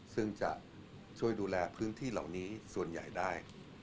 ซึ่งจะช่วยดูแลพื้นที่เหล่านี้ส่วนใหญ่ได้